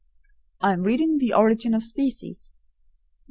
"I am reading the `Origin of Species.'"